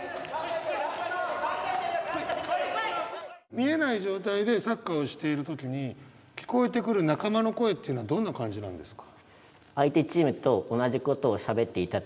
見えない状態でサッカーをしている時に聞こえてくる仲間の声っていうのはどんな感じなんですか？